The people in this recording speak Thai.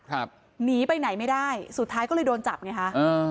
หนีไปไหนไม่ได้สุดท้ายก็เลยโดนจับไงฮะอ่า